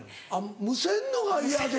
むせんのが嫌で。